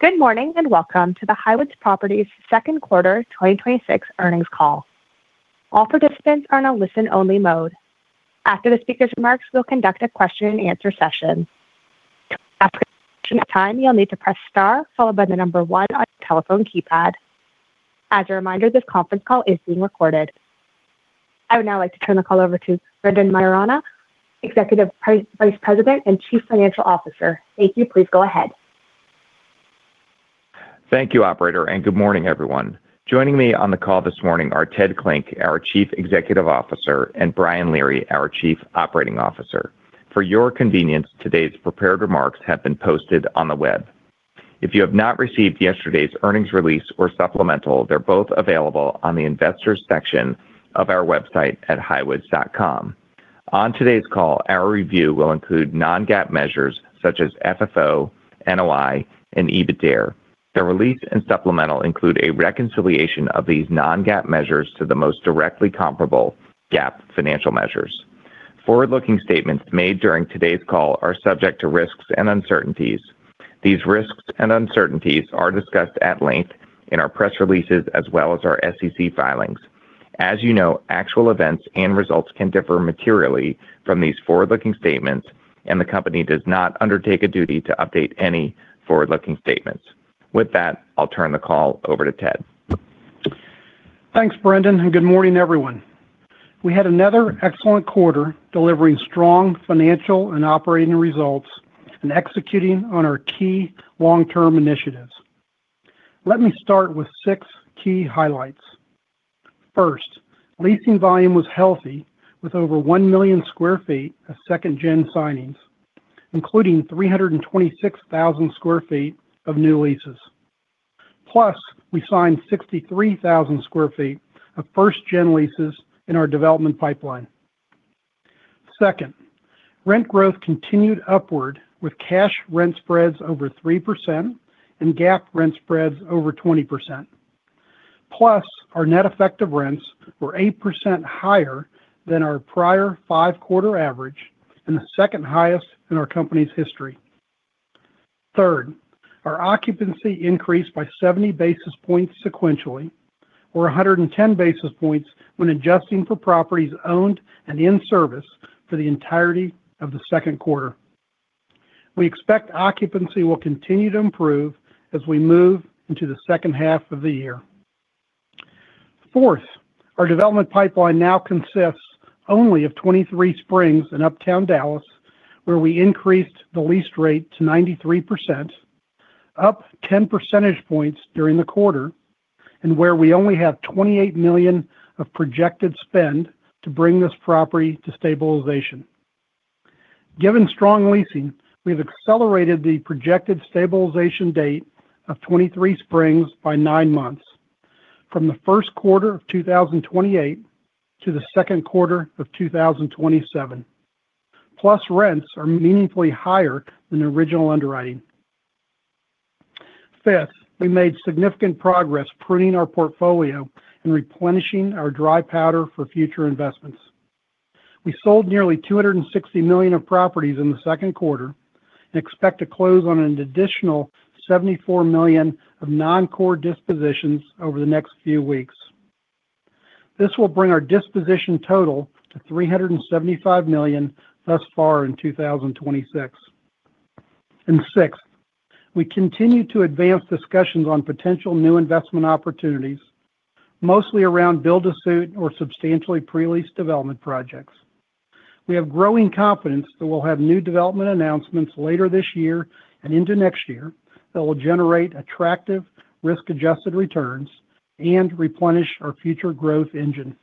Good morning, welcome to the Highwoods Properties second quarter 2026 earnings call. All participants are in a listen-only mode. After the speaker's remarks, we will conduct a question-and-answer session. To ask a question at time, you will need to press star followed by the number one on your telephone keypad. As a reminder, this conference call is being recorded. I would now like to turn the call over to Brendan Maiorana, Executive Vice President and Chief Financial Officer. Thank you. Please go ahead. Thank you, operator, good morning, everyone. Joining me on the call this morning are Ted Klinck, our Chief Executive Officer, and Brian Leary, our Chief Operating Officer. For your convenience, today's prepared remarks have been posted on the web. If you have not received yesterday's earnings release or supplemental, they are both available on the Investors section of our website at highwoods.com. On today's call, our review will include non-GAAP measures such as FFO, NOI, and EBITDARE. The release and supplemental include a reconciliation of these non-GAAP measures to the most directly comparable GAAP financial measures. Forward-looking statements made during today's call are subject to risks and uncertainties. These risks and uncertainties are discussed at length in our press releases as well as our SEC filings. As you know, actual events and results can differ materially from these forward-looking statements, and the company does not undertake a duty to update any forward-looking statements. With that, I will turn the call over to Ted. Thanks, Brendan, good morning, everyone. We had another excellent quarter, delivering strong financial and operating results and executing on our key long-term initiatives. Let me start with six key highlights. First, leasing volume was healthy, with over 1 million sq ft of second gen signings, including 326,000 sq ft of new leases. Plus, we signed 63,000 sq ft of first gen leases in our development pipeline. Second, rent growth continued upward with cash rent spreads over 3% and GAAP rent spreads over 20%. Plus, our net effective rents were 8% higher than our prior five-quarter average and the second highest in our company's history. Third, our occupancy increased by 70 basis points sequentially, or 110 basis points when adjusting for properties owned and in service for the entirety of the second quarter. We expect occupancy will continue to improve as we move into the second half of the year. Fourth, our development pipeline now consists only of 23Springs in Uptown Dallas, where we increased the lease rate to 93%, up 10 percentage points during the quarter, and where we only have $28 million of projected spend to bring this property to stabilization. Given strong leasing, we've accelerated the projected stabilization date of 23Springs by nine months from the first quarter of 2028 to the second quarter of 2027. Plus, rents are meaningfully higher than the original underwriting. Fifth, we made significant progress pruning our portfolio and replenishing our dry powder for future investments. We sold nearly $260 million of properties in the second quarter and expect to close on an additional $74 million of non-core dispositions over the next few weeks. This will bring our disposition total to $375 million thus far in 2026. Sixth, we continue to advance discussions on potential new investment opportunities, mostly around build-to-suit or substantially pre-leased development projects. We have growing confidence that we'll have new development announcements later this year and into next year that will generate attractive risk-adjusted returns and replenish our future growth engine.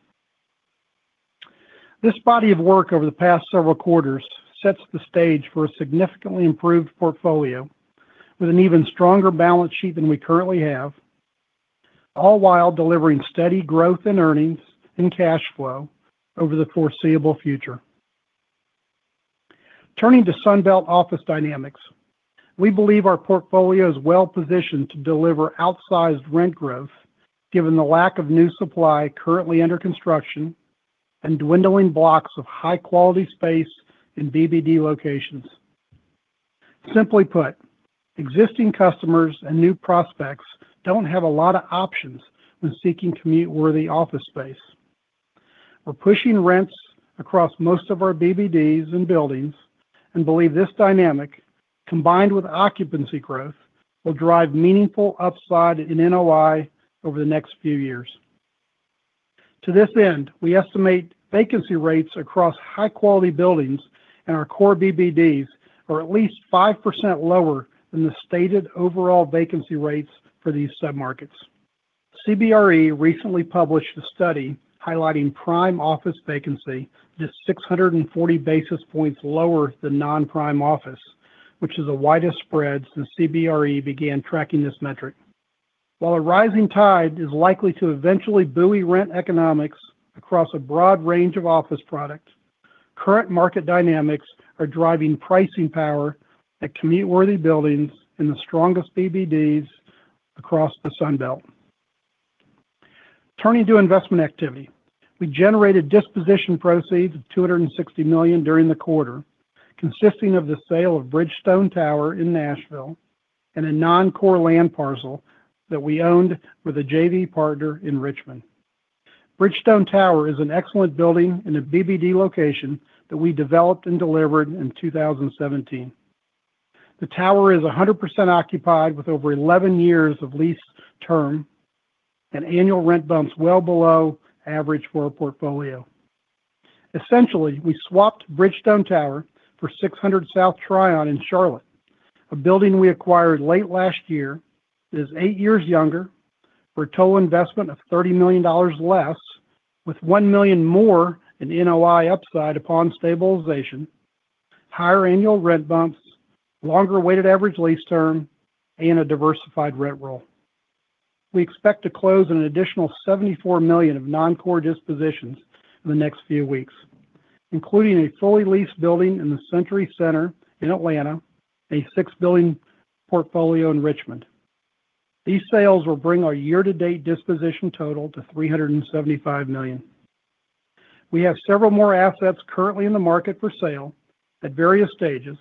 This body of work over the past several quarters sets the stage for a significantly improved portfolio with an even stronger balance sheet than we currently have, all while delivering steady growth in earnings and cash flow over the foreseeable future. Turning to Sunbelt office dynamics, we believe our portfolio is well positioned to deliver outsized rent growth given the lack of new supply currently under construction and dwindling blocks of high-quality space in BBD locations. Simply put, existing customers and new prospects don't have a lot of options when seeking commute-worthy office space. We're pushing rents across most of our BBDs and buildings and believe this dynamic, combined with occupancy growth, will drive meaningful upside in NOI over the next few years. To this end, we estimate vacancy rates across high-quality buildings in our core BBDs are at least 5% lower than the stated overall vacancy rates for these submarkets. CBRE recently published a study highlighting prime office vacancy is 640 basis points lower than non-prime office, which is the widest spread since CBRE began tracking this metric. While a rising tide is likely to eventually buoy rent economics across a broad range of office product, current market dynamics are driving pricing power at commute-worthy buildings in the strongest BBDs across the Sunbelt. Turning to investment activity. We generated disposition proceeds of $260 million during the quarter, consisting of the sale of Bridgestone Tower in Nashville and a non-core land parcel that we owned with a JV partner in Richmond. Bridgestone Tower is an excellent building in a BBD location that we developed and delivered in 2017. The tower is 100% occupied with over 11 years of lease term and annual rent bumps well below average for our portfolio. Essentially, we swapped Bridgestone Tower for 6Hundred South Tryon in Charlotte. A building we acquired late last year, is eight years younger, for a total investment of $30 million less, with $1 million more in NOI upside upon stabilization, higher annual rent bumps, longer weighted average lease term, and a diversified rent roll. We expect to close an additional $74 million of non-core dispositions in the next few weeks, including a fully leased building in the Century Center in Atlanta, a $6 billion portfolio in Richmond. These sales will bring our year-to-date disposition total to $375 million. We have several more assets currently in the market for sale at various stages,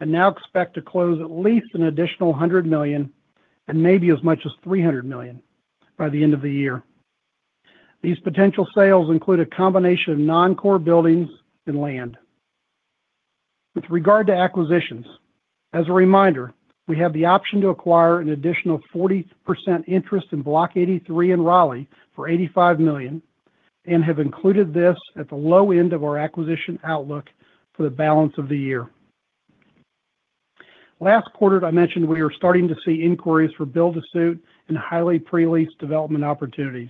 and now expect to close at least an additional $100 million and maybe as much as $300 million by the end of the year. These potential sales include a combination of non-core buildings and land. With regard to acquisitions, as a reminder, we have the option to acquire an additional 40% interest in Bloc83 in Raleigh for $85 million and have included this at the low end of our acquisition outlook for the balance of the year. Last quarter, I mentioned we are starting to see inquiries for build to suit and highly pre-leased development opportunities.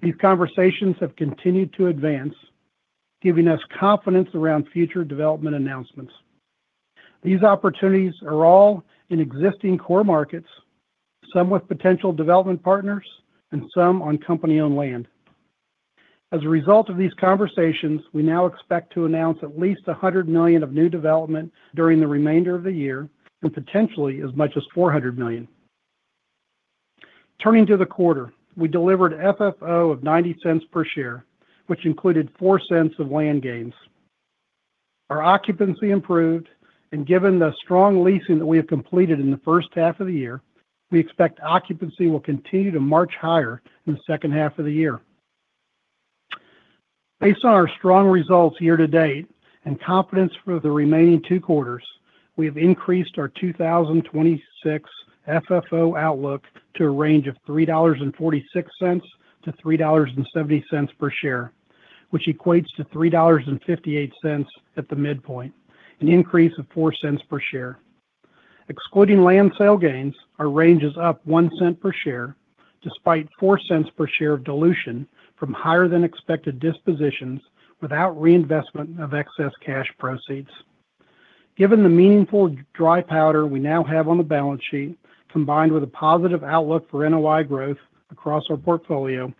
These conversations have continued to advance, giving us confidence around future development announcements. These opportunities are all in existing core markets, some with potential development partners, and some on company-owned land. As a result of these conversations, we now expect to announce at least $100 million of new development during the remainder of the year, and potentially as much as $400 million. Turning to the quarter, we delivered FFO of $0.90 per share, which included $0.04 of land gains. Our occupancy improved, and given the strong leasing that we have completed in the first half of the year, we expect occupancy will continue to march higher in the second half of the year. Based on our strong results year to date and confidence for the remaining two quarters, we have increased our 2026 FFO outlook to a range of $3.46-$3.70 per share, which equates to $3.58 at the midpoint, an increase of $0.04 per share. Excluding land sale gains, our range is up $0.01 per share, despite $0.04 per share of dilution from higher than expected dispositions without reinvestment of excess cash proceeds. Given the meaningful dry powder we now have on the balance sheet, combined with a positive outlook for NOI growth across our portfolio,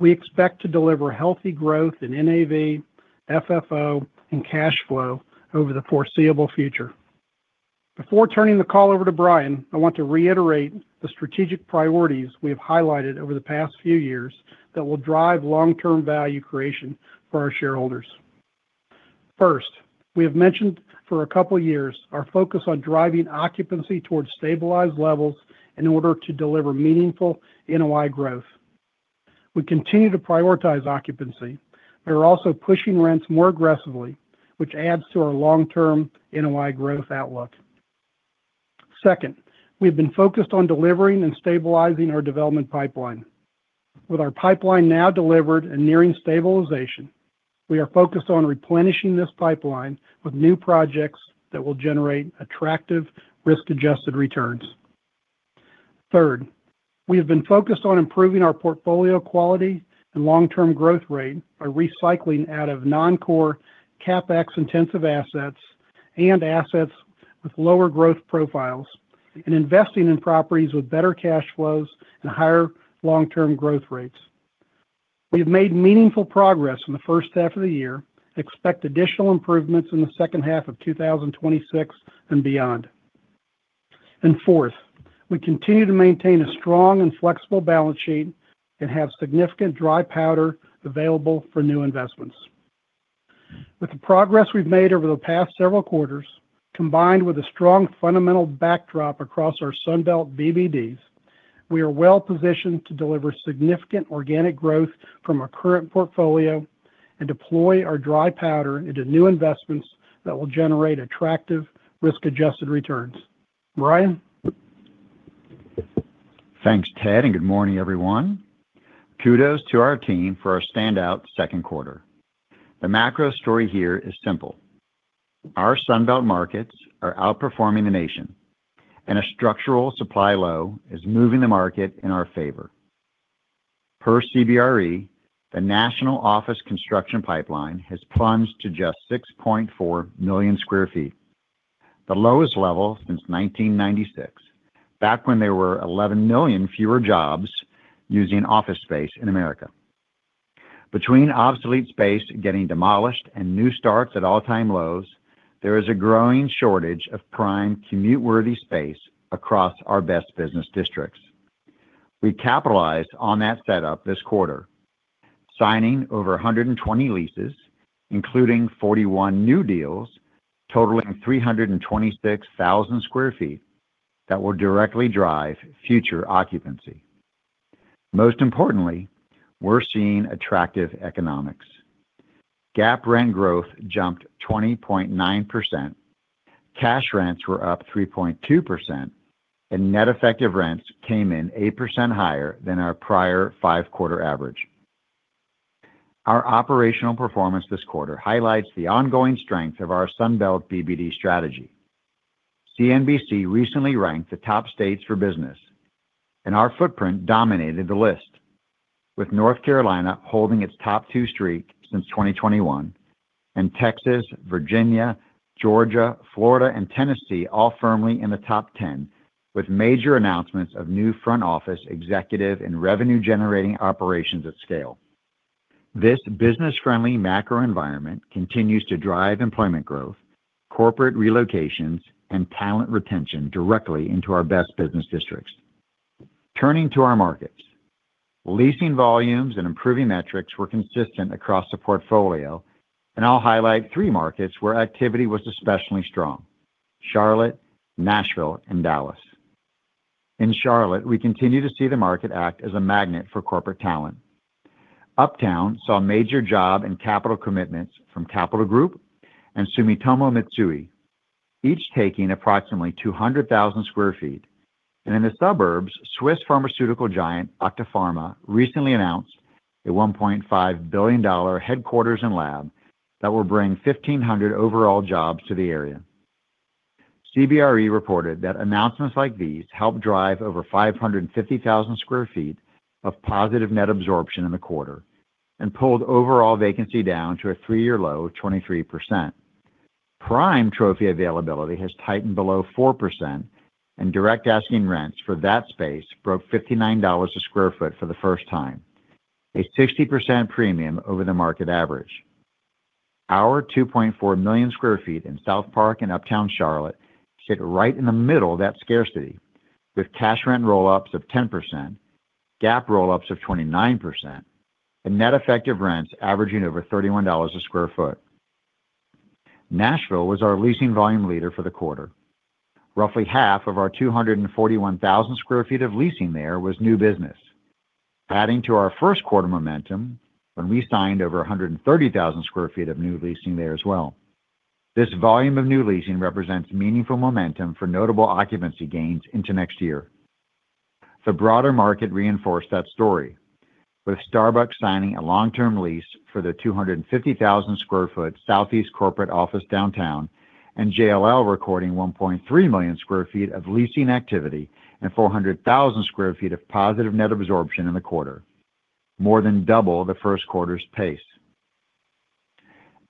we expect to deliver healthy growth in NAV, FFO, and cash flow over the foreseeable future. Before turning the call over to Brian, I want to reiterate the strategic priorities we have highlighted over the past few years that will drive long-term value creation for our shareholders. First, we have mentioned for a couple of years our focus on driving occupancy towards stabilized levels in order to deliver meaningful NOI growth. We continue to prioritize occupancy, but we're also pushing rents more aggressively, which adds to our long-term NOI growth outlook. Second, we have been focused on delivering and stabilizing our development pipeline. With our pipeline now delivered and nearing stabilization, we are focused on replenishing this pipeline with new projects that will generate attractive risk-adjusted returns. Third, we have been focused on improving our portfolio quality and long-term growth rate by recycling out of non-core CapEx intensive assets and assets with lower growth profiles and investing in properties with better cash flows and higher long-term growth rates. We've made meaningful progress in the first half of the year, expect additional improvements in the second half of 2026 and beyond. Fourth, we continue to maintain a strong and flexible balance sheet and have significant dry powder available for new investments. With the progress we've made over the past several quarters, combined with a strong fundamental backdrop across our Sun Belt BBDs, we are well positioned to deliver significant organic growth from our current portfolio and deploy our dry powder into new investments that will generate attractive risk-adjusted returns. Brian. Thanks, Ted, and good morning, everyone. Kudos to our team for a standout second quarter. The macro story here is simple. Our Sun Belt markets are outperforming the nation, and a structural supply low is moving the market in our favor. Per CBRE, the national office construction pipeline has plunged to just 6.4 million sq ft, the lowest level since 1996, back when there were 11 million fewer jobs using office space in America. Between obsolete space getting demolished and new starts at all-time lows, there is a growing shortage of prime commute-worthy space across our Best Business Districts. We capitalized on that setup this quarter, signing over 120 leases, including 41 new deals totaling 326,000 sq ft that will directly drive future occupancy. Most importantly, we're seeing attractive economics. GAAP rent growth jumped 20.9%, cash rents were up 3.2%, and net effective rents came in 8% higher than our prior five-quarter average. Our operational performance this quarter highlights the ongoing strength of our Sun Belt BBD strategy. CNBC recently ranked the top states for business, and our footprint dominated the list, with North Carolina holding its top two streak since 2021, and Texas, Virginia, Georgia, Florida, and Tennessee all firmly in the top 10 with major announcements of new front office executive and revenue-generating operations at scale. This business-friendly macro environment continues to drive employment growth, corporate relocations, and talent retention directly into our Best Business Districts. Turning to our markets. Leasing volumes and improving metrics were consistent across the portfolio, and I'll highlight three markets where activity was especially strong: Charlotte, Nashville, and Dallas. In Charlotte, we continue to see the market act as a magnet for corporate talent. Uptown saw major job and capital commitments from Capital Group and Sumitomo Mitsui, each taking approximately 200,000 sq ft. In the suburbs, Swiss pharmaceutical giant Actelion recently announced a $1.5 billion headquarters and lab that will bring 1,500 overall jobs to the area. CBRE reported that announcements like these helped drive over 550,000 sq ft of positive net absorption in the quarter and pulled overall vacancy down to a three-year low of 23%. Prime Trophy availability has tightened below 4%, and direct asking rents for that space broke $59 a square foot for the first time, a 60% premium over the market average. Our 2.4 million sq ft in SouthPark and Uptown Charlotte sit right in the middle of that scarcity, with cash rent roll-ups of 10%, GAAP roll-ups of 29%, and net effective rents averaging over $31 a square foot. Nashville was our leasing volume leader for the quarter. Roughly half of our 241,000 sq ft of leasing there was new business, adding to our first quarter momentum when we signed over 130,000 sq ft of new leasing there as well. This volume of new leasing represents meaningful momentum for notable occupancy gains into next year. The broader market reinforced that story, with Starbucks signing a long-term lease for their 250,000 sq ft Southeast corporate office downtown and JLL recording 1.3 million sq ft of leasing activity and 400,000 sq ft of positive net absorption in the quarter, more than double the first quarter's pace.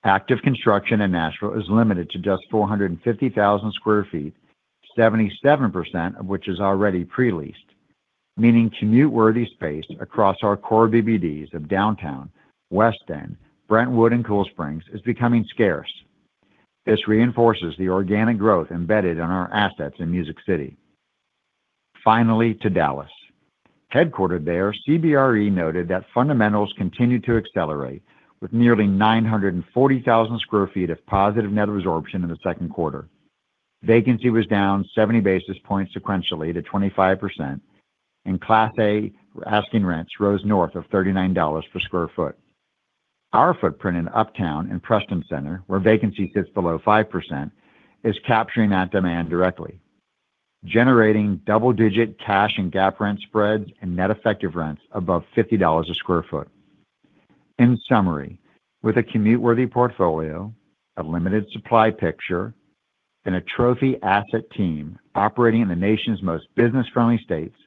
Active construction in Nashville is limited to just 450,000 sq ft, 77% of which is already pre-leased, meaning commute-worthy space across our core BBDs of Downtown, West End, Brentwood, and Cool Springs is becoming scarce. This reinforces the organic growth embedded in our assets in Music City. Finally, to Dallas. Headquartered there, CBRE noted that fundamentals continued to accelerate with nearly 940,000 sq ft of positive net absorption in the second quarter. Vacancy was down 70 basis points sequentially to 25%, and Class A asking rents rose north of $39 per square foot. Our footprint in Uptown and Preston Center, where vacancy sits below 5%, is capturing that demand directly, generating double-digit cash and GAAP rent spreads and net effective rents above $50 a square foot. In summary, with a commute-worthy portfolio, a limited supply picture, and a trophy asset team operating in the nation's most business-friendly states,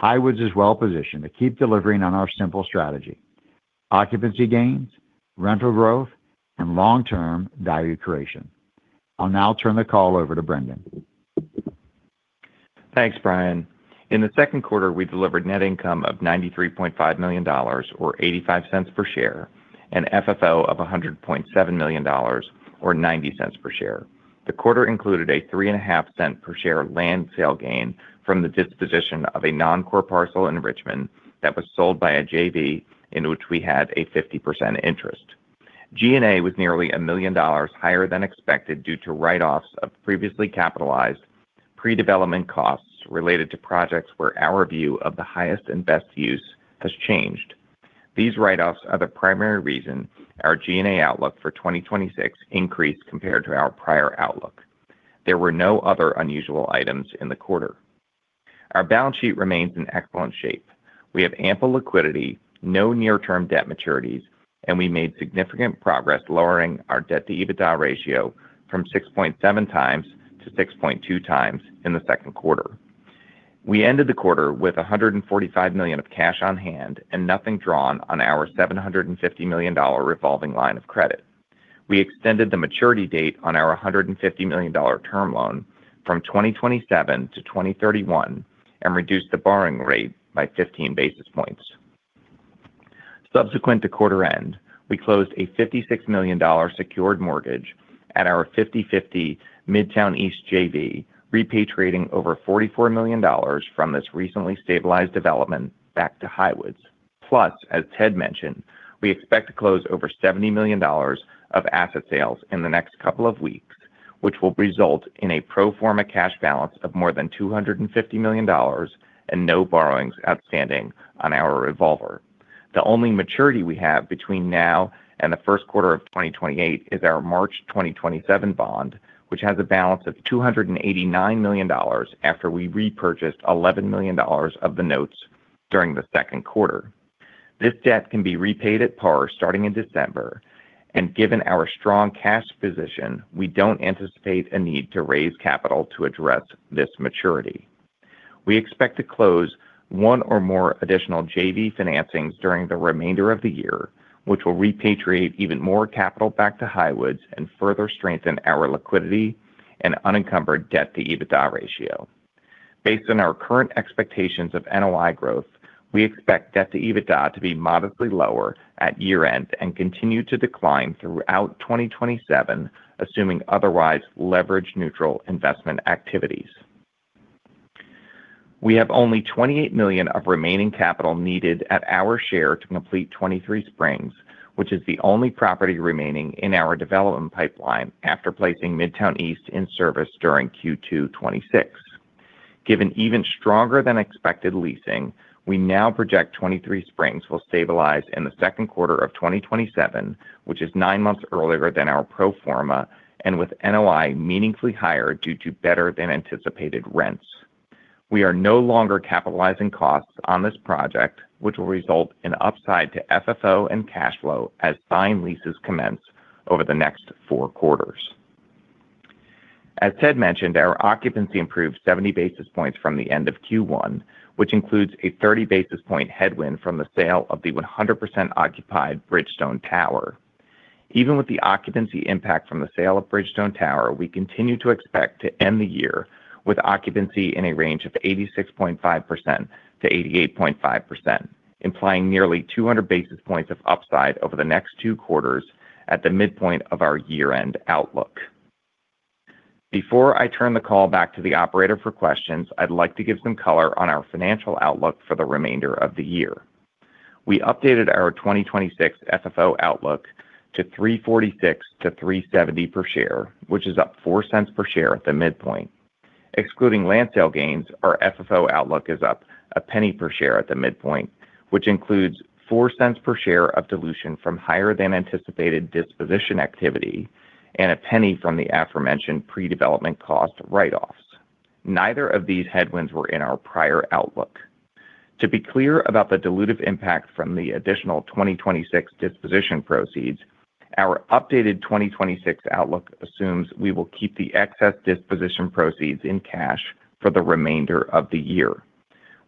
Highwoods is well-positioned to keep delivering on our simple strategy: occupancy gains, rental growth, and long-term value creation. I'll now turn the call over to Brendan. Thanks, Brian. In the second quarter, we delivered net income of $93.5 million, or $0.85 per share, and FFO of $100.7 million, or $0.90 per share. The quarter included a $0.035 per share land sale gain from the disposition of a non-core parcel in Richmond that was sold by a JV in which we had a 50% interest. G&A was nearly $1 million higher than expected due to write-offs of previously capitalized pre-development costs related to projects where our view of the highest and best use has changed. These write-offs are the primary reason our G&A outlook for 2026 increased compared to our prior outlook. There were no other unusual items in the quarter. Our balance sheet remains in excellent shape. We have ample liquidity, no near-term debt maturities, and we made significant progress lowering our debt to EBITDA ratio from 6.7x to 6.2x in the second quarter. We ended the quarter with $145 million of cash on hand and nothing drawn on our $750 million revolving line of credit. We extended the maturity date on our $150 million term loan from 2027 to 2031 and reduced the borrowing rate by 15 basis points. Subsequent to quarter end, we closed a $56 million secured mortgage at our 50/50 Midtown East JV, repatriating over $44 million from this recently stabilized development back to Highwoods. As Ted mentioned, we expect to close over $70 million of asset sales in the next couple of weeks, which will result in a pro forma cash balance of more than $250 million and no borrowings outstanding on our revolver. The only maturity we have between now and the first quarter of 2028 is our March 2027 bond, which has a balance of $289 million after we repurchased $11 million of the notes during the second quarter. This debt can be repaid at par starting in December. Given our strong cash position, we don't anticipate a need to raise capital to address this maturity. We expect to close one or more additional JV financings during the remainder of the year, which will repatriate even more capital back to Highwoods and further strengthen our liquidity and unencumbered debt-to-EBITDA ratio. Based on our current expectations of NOI growth, we expect debt to EBITDA to be modestly lower at year-end and continue to decline throughout 2027, assuming otherwise leverage-neutral investment activities. We have only $28 million of remaining capital needed at our share to complete 23Springs, which is the only property remaining in our development pipeline after placing Midtown East in service during Q2 2026. Given even stronger than expected leasing, we now project 23Springs will stabilize in the second quarter of 2027, which is nine months earlier than our pro forma and with NOI meaningfully higher due to better than anticipated rents. We are no longer capitalizing costs on this project, which will result in upside to FFO and cash flow as signed leases commence over the next four quarters. As Ted mentioned, our occupancy improved 70 basis points from the end of Q1, which includes a 30 basis point headwind from the sale of the 100% occupied Bridgestone Tower. Even with the occupancy impact from the sale of Bridgestone Tower, we continue to expect to end the year with occupancy in a range of 86.5%-88.5%, implying nearly 200 basis points of upside over the next two quarters at the midpoint of our year-end outlook. Before I turn the call back to the operator for questions, I'd like to give some color on our financial outlook for the remainder of the year. We updated our 2026 FFO outlook to $3.46 to $3.70 per share, which is up $0.04 per share at the midpoint. Excluding land sale gains, our FFO outlook is up $0.01 per share at the midpoint, which includes $0.04 per share of dilution from higher than anticipated disposition activity and $0.01 from the aforementioned pre-development cost write-offs. Neither of these headwinds were in our prior outlook. To be clear about the dilutive impact from the additional 2026 disposition proceeds, our updated 2026 outlook assumes we will keep the excess disposition proceeds in cash for the remainder of the year.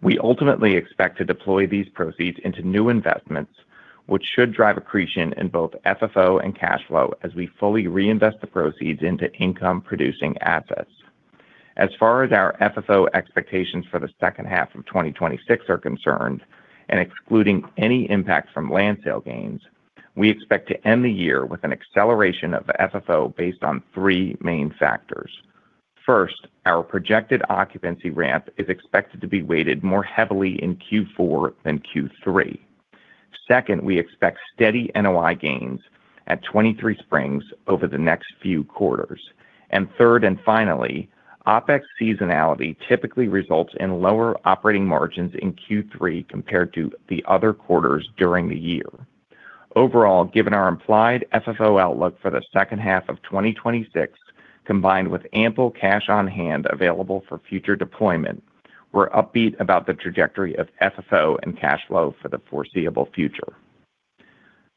We ultimately expect to deploy these proceeds into new investments, which should drive accretion in both FFO and cash flow as we fully reinvest the proceeds into income-producing assets. As far as our FFO expectations for the second half of 2026 are concerned, and excluding any impact from land sale gains, we expect to end the year with an acceleration of FFO based on three main factors. First, our projected occupancy ramp is expected to be weighted more heavily in Q4 than Q3. Second, we expect steady NOI gains at 23Springs over the next few quarters. Third and finally, OpEx seasonality typically results in lower operating margins in Q3 compared to the other quarters during the year. Overall, given our implied FFO outlook for the second half of 2026, combined with ample cash on hand available for future deployment, we're upbeat about the trajectory of FFO and cash flow for the foreseeable future.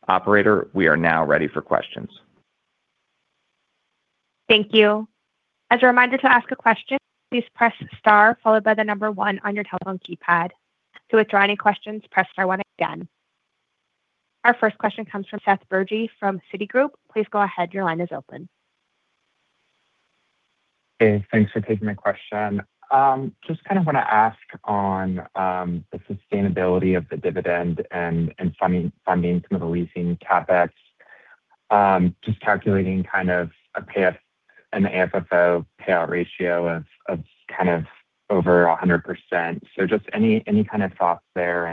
Operator, we are now ready for questions. Thank you. As a reminder to ask a question, please press star followed by the number one on your telephone keypad. To withdraw any questions, press star one again. Our first question comes from Seth Bergey from Citigroup. Please go ahead. Your line is open. Hey, thanks for taking my question. Just kind of want to ask on the sustainability of the dividend and funding some of the leasing CapEx. Just calculating kind of an AFFO payout ratio of kind of over 100%. Just any kind of thoughts there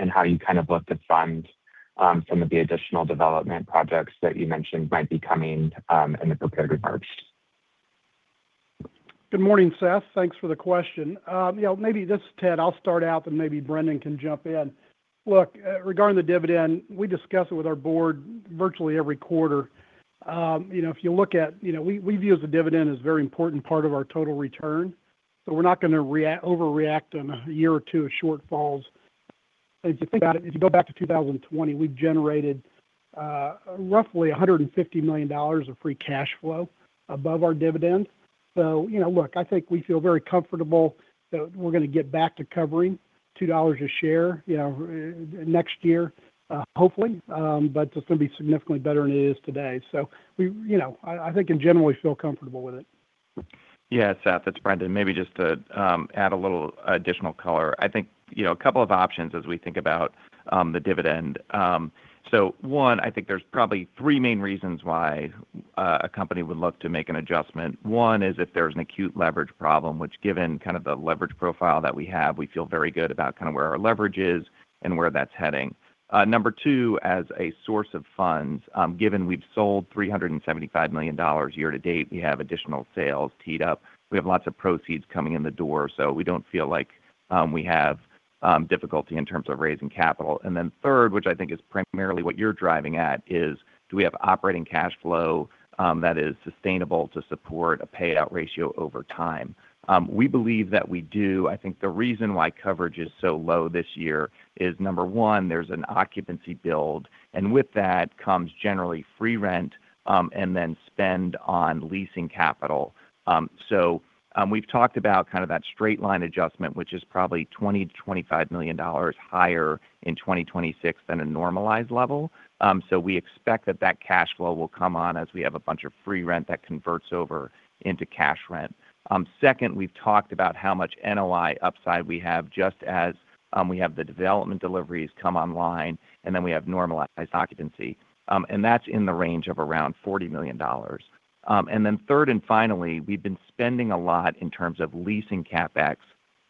and how you kind of look to fund some of the additional development projects that you mentioned might be coming in the prepared remarks. Good morning, Seth. Thanks for the question. This is Ted. I'll start out and maybe Brendan can jump in. Regarding the dividend, we discuss it with our board virtually every quarter. We view the dividend as a very important part of our total return. We're not going to overreact on a year or two of shortfalls. If you go back to 2020, we've generated roughly $150 million of free cash flow above our dividend. I think we feel very comfortable that we're going to get back to covering $2 a share next year, hopefully. It's going to be significantly better than it is today. I think in general, we feel comfortable with it. Yeah, Seth, it's Brendan. Maybe just to add a little additional color. A couple of options as we think about the dividend. I think there's probably three main reasons why a company would look to make an adjustment. One is if there's an acute leverage problem, which given kind of the leverage profile that we have, we feel very good about where our leverage is and where that's heading. Number two, as a source of funds, given we've sold $375 million year-to-date, we have additional sales teed up. We have lots of proceeds coming in the door. We don't feel like we have difficulty in terms of raising capital. Third, which I think is primarily what you're driving at, is do we have operating cash flow that is sustainable to support a payout ratio over time? We believe that we do. I think the reason why coverage is so low this year is, number one, there's an occupancy build, and with that comes generally free rent, and then spend on leasing capital. We've talked about kind of that straight line adjustment, which is probably $20 million-$25 million higher in 2026 than a normalized level. We expect that that cash flow will come on as we have a bunch of free rent that converts over into cash rent. Second, we've talked about how much NOI upside we have, just as we have the development deliveries come online, and then we have normalized occupancy. That's in the range of around $40 million. Third, and finally, we've been spending a lot in terms of leasing CapEx.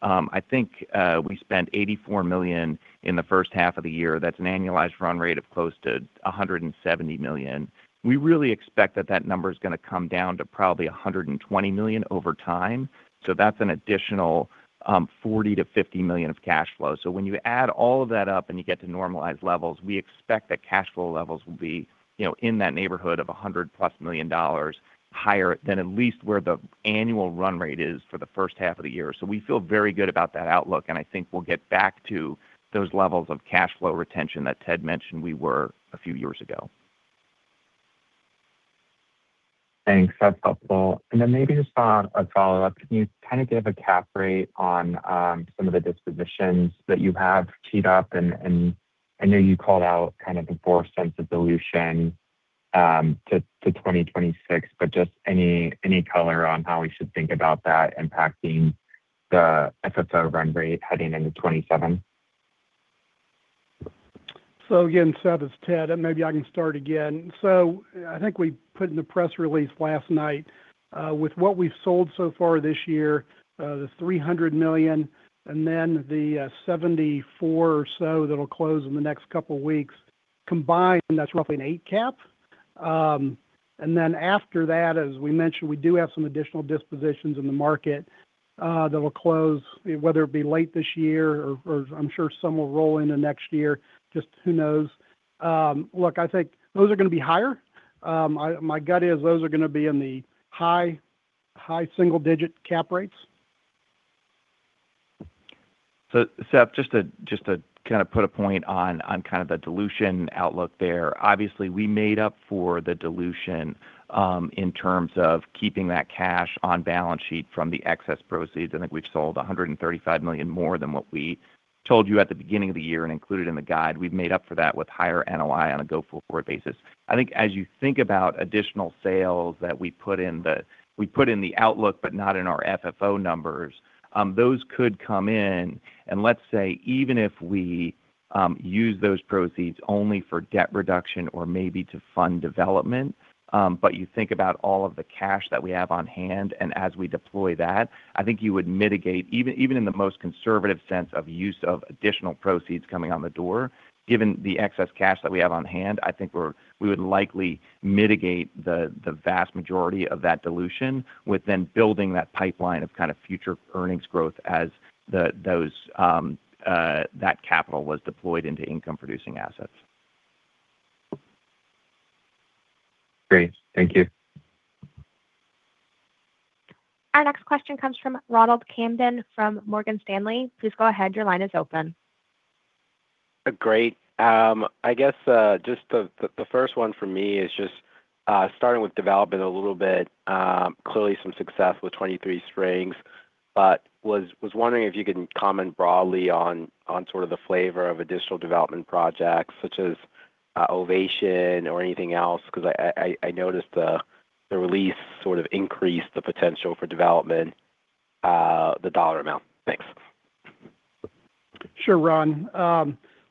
I think we spent $84 million in the first half of the year. That's an annualized run rate of close to $170 million. We really expect that that number's going to come down to probably $120 million over time. That's an additional $40 million-$50 million of cash flow. When you add all of that up and you get to normalized levels, we expect that cash flow levels will be in that neighborhood of $100 million+ higher than at least where the annual run rate is for the first half of the year. We feel very good about that outlook, and I think we'll get back to those levels of cash flow retention that Ted mentioned we were a few years ago. Thanks. That's helpful. Maybe just on a follow-up, can you kind of give a cap rate on some of the dispositions that you have teed up, and I know you called out kind of the $0.04 of dilution to 2026. Just any color on how we should think about that impacting the FFO run rate heading into 2027? Again, Seth, it's Ted. Maybe I can start again. I think we put in the press release last night. With what we've sold so far this year, the $300 million, and then the $74 million or so that'll close in the next couple of weeks. Combined, that's roughly an 8% cap. After that, as we mentioned, we do have some additional dispositions in the market that will close, whether it be late this year or I'm sure some will roll into next year, just who knows. Look, I think those are going to be higher. My gut is those are going to be in the high single-digit cap rates. Seth, just to kind of put a point on kind of the dilution outlook there. Obviously, we made up for the dilution, in terms of keeping that cash on balance sheet from the excess proceeds. I think we've sold $135 million more than what we told you at the beginning of the year and included in the guide. We've made up for that with higher NOI on a go-forward basis. I think as you think about additional sales that we put in the outlook but not in our FFO numbers, those could come in and let's say even if we use those proceeds only for debt reduction or maybe to fund development. You think about all of the cash that we have on hand, and as we deploy that, I think you would mitigate even in the most conservative sense of use of additional proceeds coming on the door. Given the excess cash that we have on hand, I think we would likely mitigate the vast majority of that dilution with then building that pipeline of kind of future earnings growth as that capital was deployed into income-producing assets. Great. Thank you. Our next question comes from Ronald Kamdem from Morgan Stanley. Please go ahead. Your line is open. Great. I guess, just the first one for me is just starting with development a little bit. Clearly some success with 23Springs, but was wondering if you can comment broadly on sort of the flavor of additional development projects such as Ovation or anything else, because I noticed the release sort of increased the potential for development, the dollar amount. Thanks. Sure, Ron.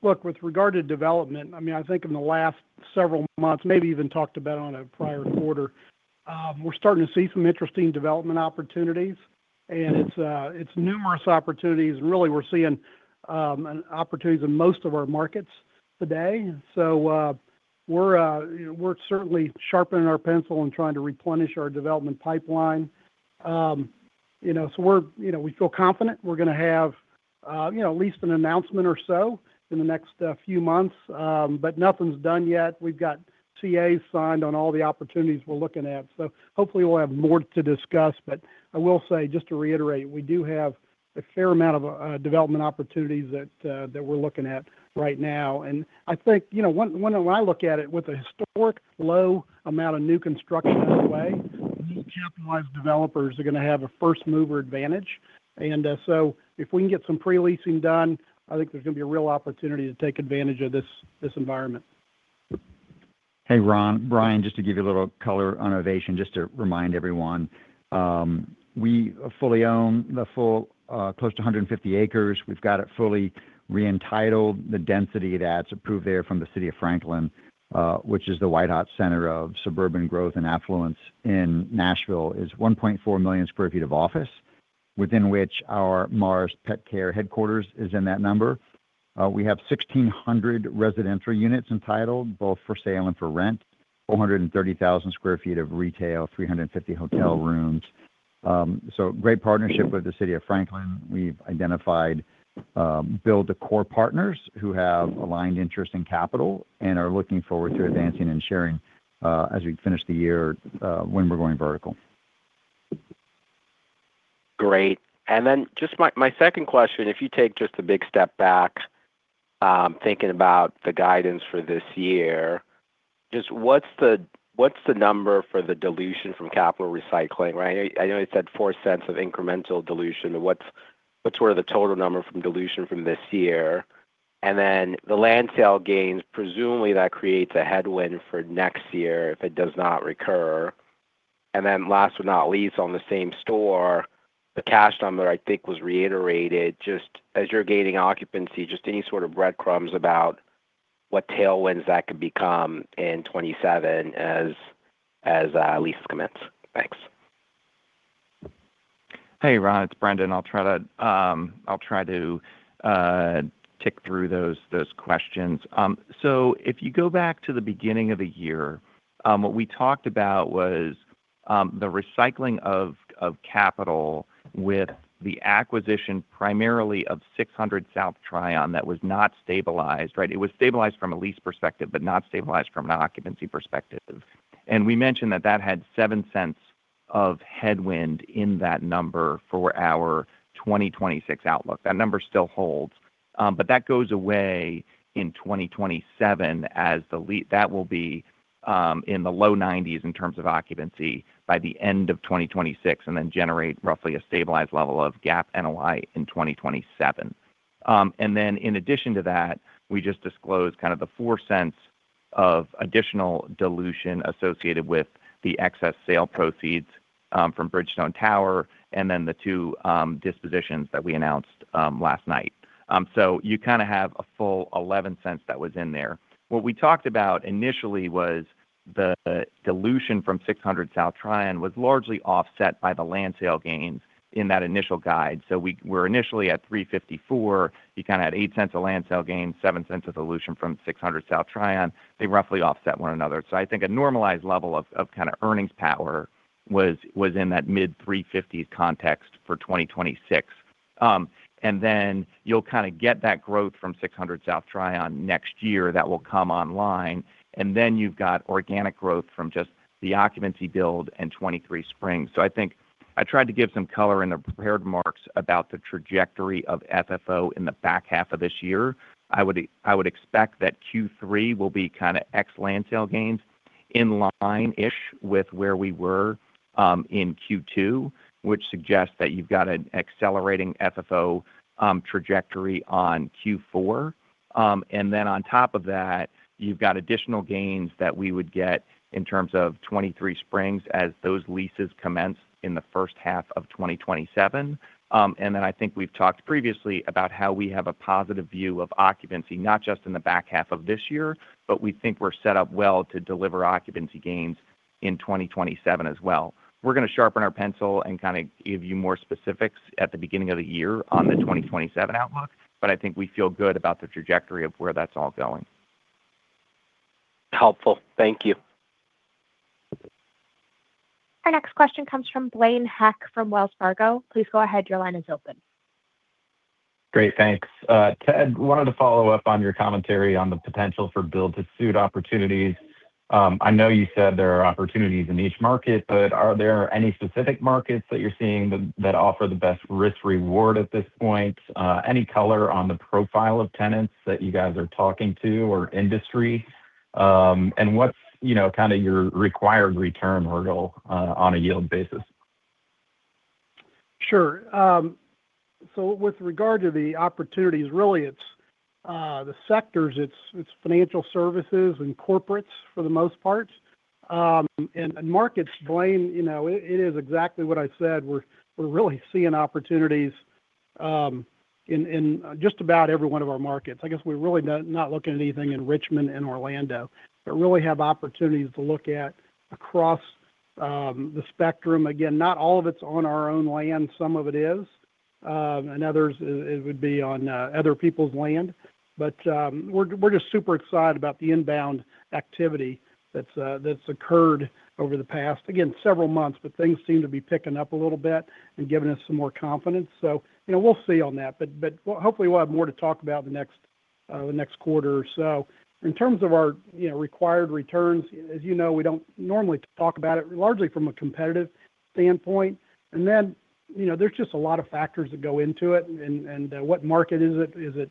Look, with regard to development, I think in the last several months, maybe even talked about on a prior quarter, we're starting to see some interesting development opportunities. It's numerous opportunities. We're seeing opportunities in most of our markets today. We're certainly sharpening our pencil and trying to replenish our development pipeline. We feel confident we're going to have at least an announcement or so in the next few months. Nothing's done yet. We've got CAs signed on all the opportunities we're looking at. Hopefully we'll have more to discuss. I will say, just to reiterate, we do have a fair amount of development opportunities that we're looking at right now. I think when I look at it with a historic low amount of new construction on the way Capitalized developers are going to have a first-mover advantage. If we can get some pre-leasing done, I think there's going to be a real opportunity to take advantage of this environment. Hey, Ron. Brian, just to give you a little color on Ovation, just to remind everyone. We fully own the close to 150 acres. We've got it fully re-entitled. The density that's approved there from the city of Franklin, which is the white-hot center of suburban growth and affluence in Nashville, is 1.4 million sq ft of office, within which our Mars Petcare headquarters is in that number. We have 1,600 residential units entitled, both for sale and for rent, 430,000 sq ft of retail, 350 hotel rooms. Great partnership with the city of Franklin. We've identified build-to-core partners who have aligned interest in capital and are looking forward to advancing and sharing as we finish the year when we're going vertical. Great. Just my second question, if you take just a big step back, thinking about the guidance for this year. Just what's the number for the dilution from capital recycling, right? I know it said $0.04 of incremental dilution. What's sort of the total number from dilution from this year? The land sale gains, presumably that creates a headwind for next year if it does not recur. Last but not least, on the same store, the cash number I think was reiterated just as you're gaining occupancy, just any sort of breadcrumbs about what tailwinds that could become in 2027 as lease commits. Thanks. Hey, Ron. It's Brendan. I'll try to tick through those questions. If you go back to the beginning of the year, what we talked about was the recycling of capital with the acquisition primarily of 600 South Tryon that was not stabilized, right? It was stabilized from a lease perspective, but not stabilized from an occupancy perspective. We mentioned that that had $0.07 of headwind in that number for our 2026 outlook. That number still holds. That goes away in 2027 as that will be in the low 90s in terms of occupancy by the end of 2026 and then generate roughly a stabilized level of GAAP NOI in 2027. In addition to that, we just disclosed kind of the $0.04 of additional dilution associated with the excess sale proceeds from Bridgestone Tower and then the two dispositions that we announced last night. You kind of have a full $0.11 that was in there. What we talked about initially was the dilution from 6Hundred South Tryon was largely offset by the land sale gains in that initial guide. We were initially at $3.54. You kind of had $0.08 of land sale gains, $0.07 of dilution from 6Hundred South Tryon. They roughly offset one another. I think a normalized level of kind of earnings power was in that mid $3.50s context for 2026. You'll kind of get that growth from 6Hundred South Tryon next year that will come online. You've got organic growth from just the occupancy build and 23Springs. I think I tried to give some color in the prepared remarks about the trajectory of FFO in the back half of this year. I would expect that Q3 will be kind of ex land sale gains in line-ish with where we were in Q2, which suggests that you've got an accelerating FFO trajectory on Q4. On top of that, you've got additional gains that we would get in terms of 23Springs as those leases commence in the first half of 2027. I think we've talked previously about how we have a positive view of occupancy, not just in the back half of this year, but we think we're set up well to deliver occupancy gains in 2027 as well. We're going to sharpen our pencil and kind of give you more specifics at the beginning of the year on the 2027 outlook, but I think we feel good about the trajectory of where that's all going. Helpful. Thank you. Our next question comes from Blaine Heck from Wells Fargo. Please go ahead. Your line is open. Great, thanks. Ted, wanted to follow up on your commentary on the potential for build to suit opportunities. I know you said there are opportunities in each market, but are there any specific markets that you're seeing that offer the best risk reward at this point? Any color on the profile of tenants that you guys are talking to or industry? What's your required return hurdle on a yield basis? Sure. With regard to the opportunities, really it's the sectors. It's financial services and corporates for the most part. Markets, Blaine, it is exactly what I said. We're really seeing opportunities in just about every one of our markets. I guess we're really not looking at anything in Richmond and Orlando, but really have opportunities to look at across the spectrum. Again, not all of it's on our own land. Some of it is. In others, it would be on other people's land. We're just super excited about the inbound activity that's occurred over the past, again, several months, but things seem to be picking up a little bit and giving us some more confidence. We'll see on that, but hopefully we'll have more to talk about the next quarter or so. In terms of our required returns, as you know, we don't normally talk about it, largely from a competitive standpoint. Then, there's just a lot of factors that go into it and what market is it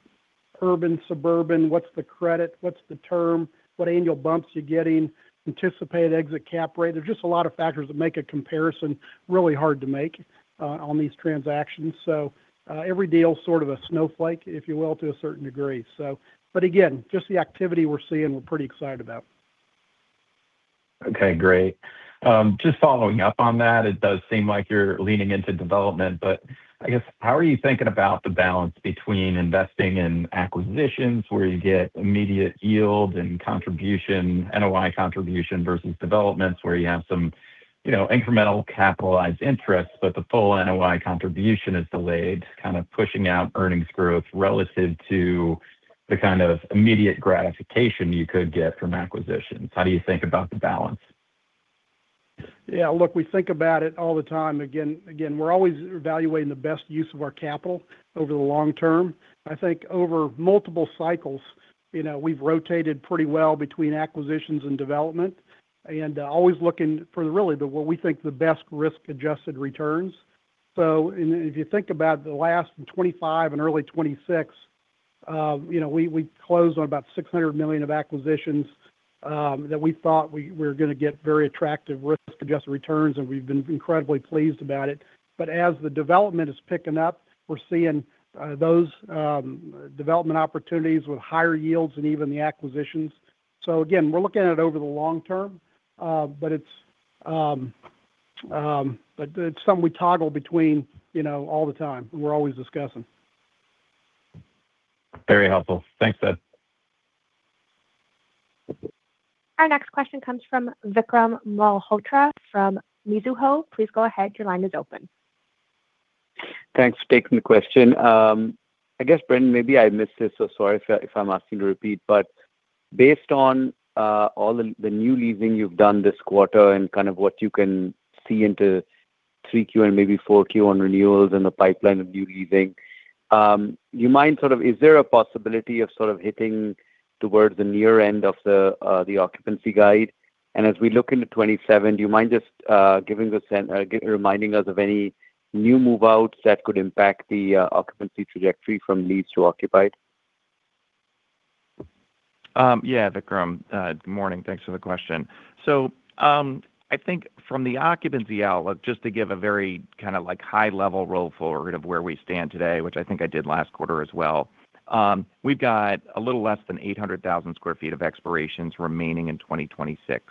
Urban, suburban, what's the credit? What's the term? What annual bumps you're getting, anticipated exit cap rate. There's just a lot of factors that make a comparison really hard to make on these transactions. Every deal is sort of a snowflake, if you will, to a certain degree. Again, just the activity we're seeing, we're pretty excited about. Okay, great. Just following up on that, it does seem like you're leaning into development, but I guess, how are you thinking about the balance between investing in acquisitions, where you get immediate yield and NOI contribution versus developments where you have some incremental capitalized interest, but the full NOI contribution is delayed, kind of pushing out earnings growth relative to the kind of immediate gratification you could get from acquisitions. How do you think about the balance? Yeah, look, we think about it all the time. Again, we're always evaluating the best use of our capital over the long term. I think over multiple cycles, we've rotated pretty well between acquisitions and development and always looking for really what we think the best risk-adjusted returns. If you think about the last 2025 and early 2026, we closed on about $600 million of acquisitions that we thought we were going to get very attractive risk-adjusted returns, and we've been incredibly pleased about it. As the development is picking up, we're seeing those development opportunities with higher yields than even the acquisitions. Again, we're looking at it over the long term. It's something we toggle between all the time, we're always discussing. Very helpful. Thanks, Ted. Our next question comes from Vikram Malhotra from Mizuho. Please go ahead. Your line is open. Thanks for taking the question. I guess, Brendan, maybe I missed this, sorry if I'm asking you to repeat. Based on all the new leasing you've done this quarter and kind of what you can see into 3Q and maybe 4Q on renewals and the pipeline of new leasing, is there a possibility of sort of hitting towards the near end of the occupancy guide? As we look into 2027, do you mind just reminding us of any new move-outs that could impact the occupancy trajectory from needs to occupied? Yeah, Vikram. Good morning. Thanks for the question. I think from the occupancy outlook, just to give a very kind of high level roll forward of where we stand today, which I think I did last quarter as well. We've got a little less than 800,000 sq ft of expirations remaining in 2026.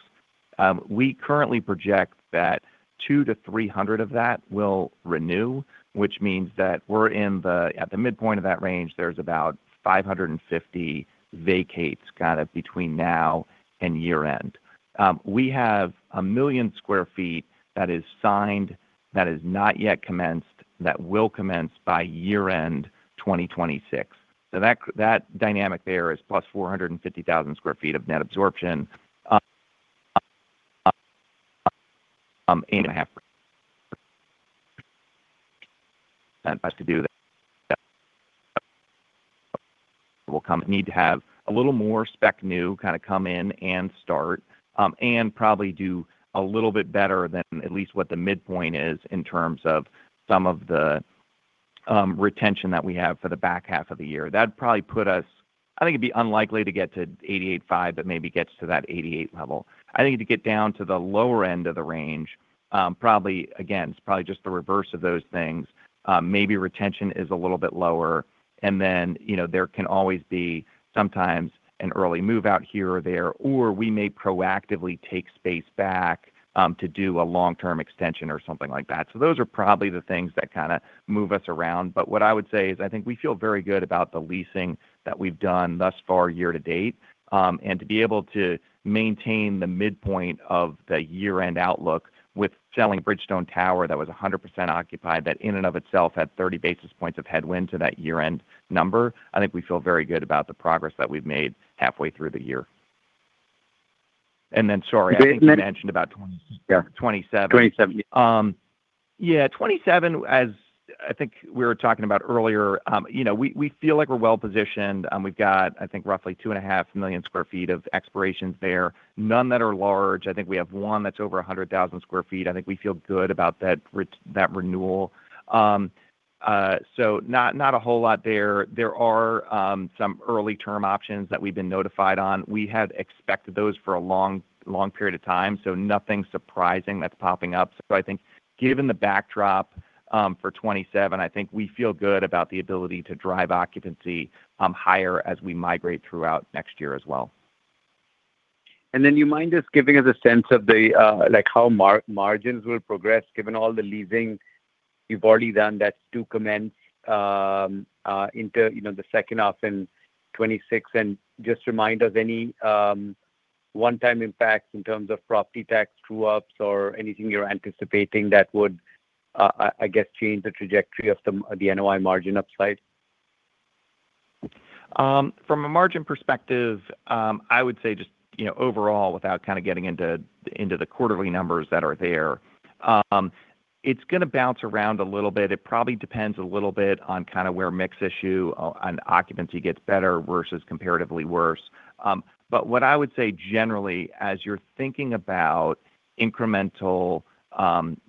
We currently project that 200,000 sq ft-300,000 sq ft of that will renew, which means that we're At the midpoint of that range, there's about 550 vacates kind of between now and year end. We have 1 million sq ft that is signed, that is not yet commenced, that will commence by year end 2026. That dynamic there is +450,000 sq ft of net absorption. 8.5% has to do with that. We'll need to have a little more spec new kind of come in and start, probably do a little bit better than at least what the midpoint is in terms of some of the retention that we have for the back half of the year. That'd probably put us I think it'd be unlikely to get to 88.5%, but maybe gets to that 88% level. I think to get down to the lower end of the range, again, it's probably just the reverse of those things. Maybe retention is a little bit lower, then, there can always be sometimes an early move out here or there, or we may proactively take space back to do a long-term extension or something like that. Those are probably the things that kind of move us around. What I would say is I think we feel very good about the leasing that we've done thus far year-to-date. To be able to maintain the midpoint of the year end outlook with selling Bridgestone Tower that was 100% occupied. That in and of itself had 30 basis points of headwind to that year end number. I think we feel very good about the progress that we've made halfway through the year. Sorry, I think you mentioned about 2027. 2027. 2027, as I think we were talking about earlier. We feel like we're well-positioned. We've got, I think, roughly 2.5 million sq ft of expirations there. None that are large. I think we have one that's over 100,000 sq ft. I think we feel good about that renewal. Not a whole lot there. There are some early term options that we've been notified on. We had expected those for a long period of time. Nothing surprising that's popping up. I think given the backdrop for 2027, I think we feel good about the ability to drive occupancy higher as we migrate throughout next year as well. You mind just giving us a sense of how margins will progress given all the leasing you've already done that's due to commence into the second half in 2026? Just remind us any one-time impacts in terms of property tax true-ups or anything you're anticipating that would, I guess, change the trajectory of the NOI margin upside. From a margin perspective, I would say just overall, without kind of getting into the quarterly numbers that are there. It's going to bounce around a little bit. It probably depends a little bit on kind of where mix issue on occupancy gets better versus comparatively worse What I would say generally, as you're thinking about incremental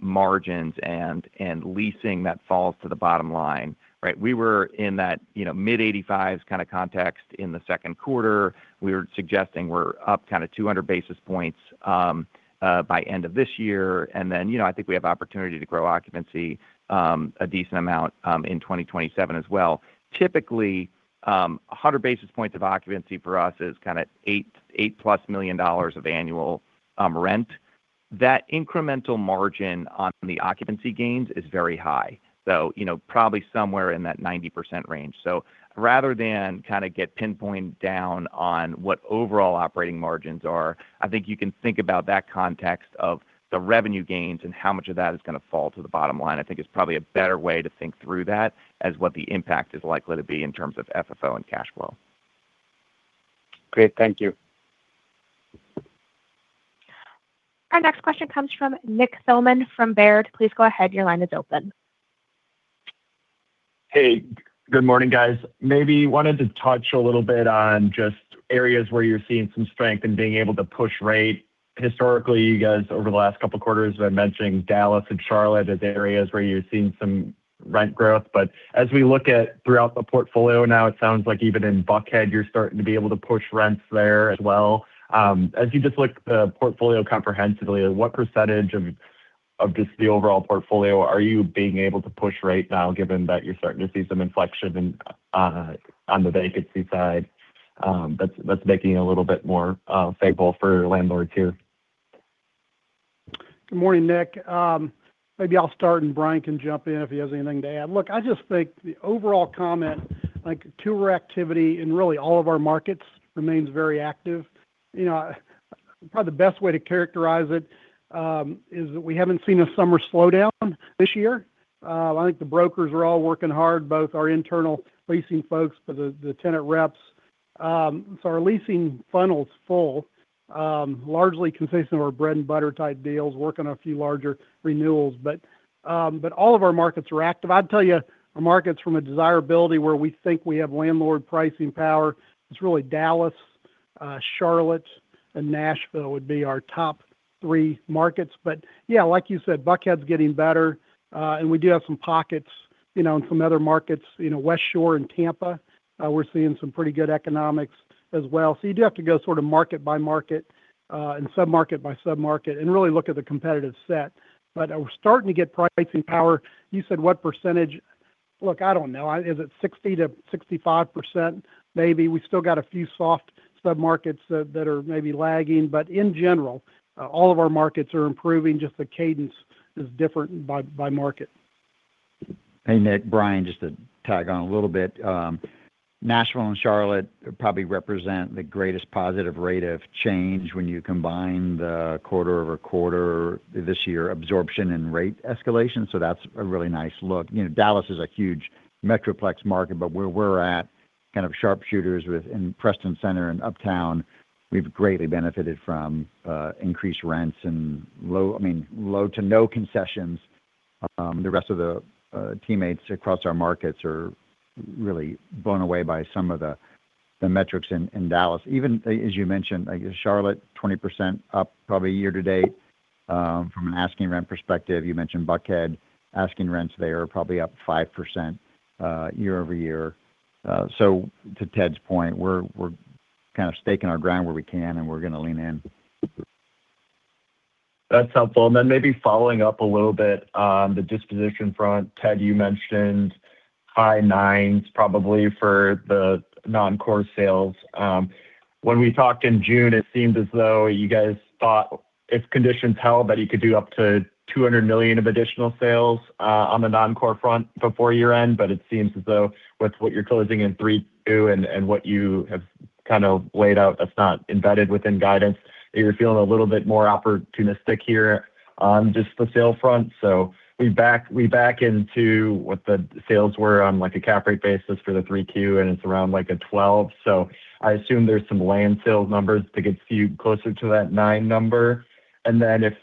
margins and leasing that falls to the bottom line, we were in that mid 85 kind of context in the second quarter. We were suggesting we're up kind of 200 basis points by end of this year. I think we have opportunity to grow occupancy, a decent amount, in 2027 as well. Typically, 100 basis points of occupancy for us is kind of $8 million+ of annual rent. That incremental margin on the occupancy gains is very high. Probably somewhere in that 90% range. Rather than kind of get pinpoint down on what overall operating margins are, I think you can think about that context of the revenue gains and how much of that is going to fall to the bottom line, I think is probably a better way to think through that as what the impact is likely to be in terms of FFO and cash flow. Great. Thank you. Our next question comes from Nick Thillman from Baird. Please go ahead. Your line is open. Hey, good morning guys. Maybe wanted to touch a little bit on just areas where you're seeing some strength in being able to push rate. Historically, you guys, over the last couple quarters have been mentioning Dallas and Charlotte as areas where you're seeing some rent growth. As we look at throughout the portfolio now, it sounds like even in Buckhead, you're starting to be able to push rents there as well. As you just look at the portfolio comprehensively, what percentage of just the overall portfolio are you being able to push right now, given that you're starting to see some inflection on the vacancy side that's making it a little bit more favorable for landlords here? Good morning, Nick. Maybe I'll start and Brian can jump in if he has anything to add. Look, I just think the overall comment, like tour activity in really all of our markets remains very active. Probably the best way to characterize it is that we haven't seen a summer slowdown this year. I think the brokers are all working hard, both our internal leasing folks for the tenant reps. Our leasing funnel's full, largely consisting of our bread-and-butter type deals, working on a few larger renewals. All of our markets are active. I'd tell you our markets from a desirability where we think we have landlord pricing power, it's really Dallas, Charlotte, and Nashville would be our top three markets. Yeah, like you said, Buckhead's getting better. We do have some pockets in some other markets. Westshore and Tampa, we're seeing some pretty good economics as well. You do have to go sort of market by market, and sub-market by sub-market and really look at the competitive set. We're starting to get pricing power. You said what percentage? Look, I don't know. Is it 60%-65% maybe? We still got a few soft sub-markets that are maybe lagging, in general, all of our markets are improving. Just the cadence is different by market. Hey, Nick. Brian, just to tag on a little bit. Nashville and Charlotte probably represent the greatest positive rate of change when you combine the quarter-over-quarter this year absorption and rate escalation. That's a really nice look. Dallas is a huge metroplex market, but where we're at kind of sharpshooters with in Preston Center and Uptown, we've greatly benefited from increased rents and low to no concessions. The rest of the teammates across our markets are really blown away by some of the metrics in Dallas. Even as you mentioned, I guess Charlotte, 20% up probably year-to-date, from an asking rent perspective. You mentioned Buckhead. Asking rents there are probably up 5% year-over-year. To Ted's point, we're kind of staking our ground where we can and we're going to lean in. That's helpful. Then maybe following up a little bit on the disposition front. Ted, you mentioned high 9s% probably for the non-core sales. When we talked in June, it seemed as though you guys thought if conditions held that you could do up to $200 million of additional sales on the non-core front before year-end. It seems as though with what you're closing in 3Q and what you have kind of laid out that's not embedded within guidance, that you're feeling a little bit more opportunistic here on just the sale front. We back into what the sales were on like a cap rate basis for the 3Q, and it's around like a 12%. I assume there's some land sales numbers that could skew you closer to that 9% number. If,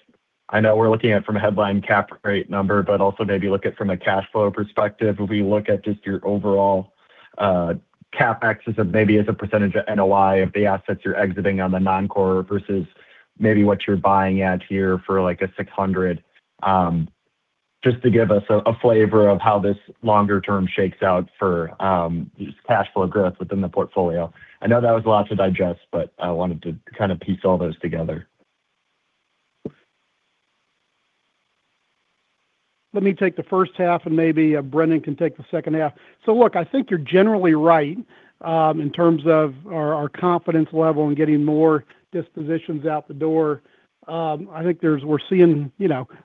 I know we're looking at it from a headline cap rate number, but also maybe look at from a cash flow perspective. If we look at just your overall CapEx as a percentage of NOI of the assets you're exiting on the non-core versus maybe what you're buying at here for like a $600, just to give us a flavor of how this longer-term shakes out for just cash flow growth within the portfolio. I know that was a lot to digest, but I wanted to kind of piece all those together. Let me take the first half and maybe Brendan can take the second half. Look, I think you're generally right, in terms of our confidence level in getting more dispositions out the door. I think we're seeing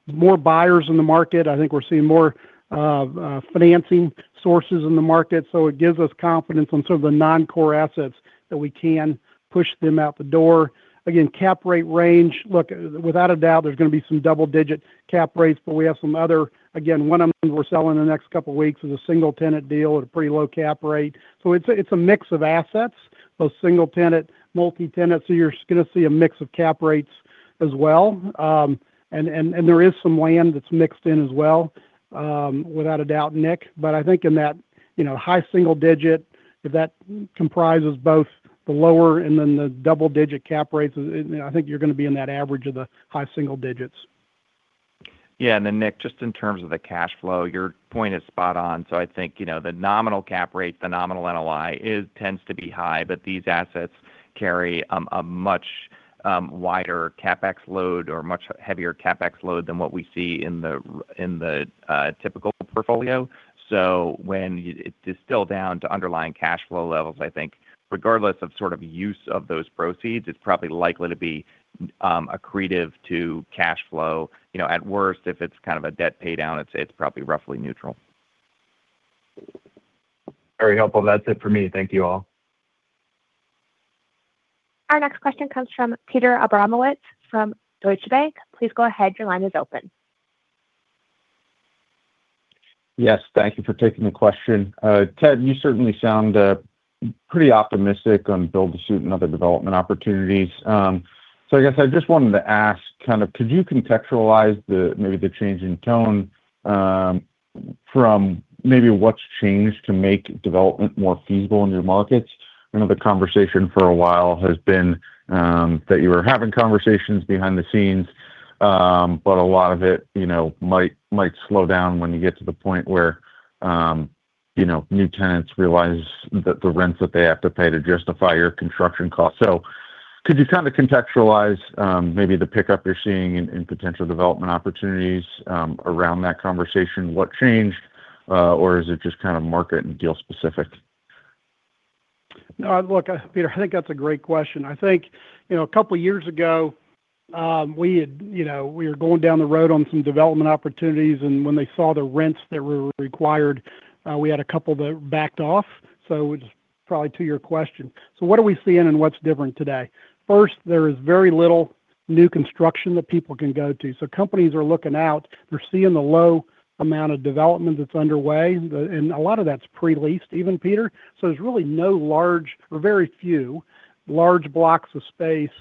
more buyers in the market. I think we're seeing more financing sources in the market. It gives us confidence on sort of the non-core assets that we can push them out the door. Again, cap rate range. Look, without a doubt, there's going to be some double-digit cap rates, but we have some other, again, one of them we're selling in the next couple of weeks is a single tenant deal at a pretty low cap rate. It's a mix of assets, both single tenant, multi-tenant. You're going to see a mix of cap rates as well. There is some land that's mixed in as well, without a doubt, Nick. I think in that high single-digit, if that comprises both the lower and then the double-digit cap rates, I think you're going to be in that average of the high single digits. Yeah. Nick, just in terms of the cash flow, your point is spot on. I think, the nominal cap rate, the nominal NOI tends to be high, but these assets carry a much wider CapEx load or much heavier CapEx load than what we see in the typical portfolio. When it's distilled down to underlying cash flow levels, I think regardless of use of those proceeds, it's probably likely to be accretive to cash flow. At worst, if it's kind of a debt paydown, it's probably roughly neutral. Very helpful. That's it for me. Thank you all. Our next question comes from Peter Abramowitz from Deutsche Bank. Please go ahead. Your line is open. Yes, thank you for taking the question. Ted, you certainly sound pretty optimistic on build to suit and other development opportunities. I guess I just wanted to ask, could you contextualize maybe the change in tone from maybe what's changed to make development more feasible in your markets? I know the conversation for a while has been that you were having conversations behind the scenes. A lot of it might slow down when you get to the point where new tenants realize that the rents that they have to pay to justify your construction cost. Could you kind of contextualize maybe the pickup you're seeing in potential development opportunities around that conversation? What changed? Or is it just kind of market and deal specific? No. Look, Peter, I think that's a great question. I think a couple of years ago, we were going down the road on some development opportunities, and when they saw the rents that were required, we had a couple that backed off. Just probably to your question, what are we seeing and what's different today? First, there is very little new construction that people can go to. Companies are looking out, they're seeing the low amount of development that's underway, and a lot of that's pre-leased even, Peter. There's really no large or very few large blocks of space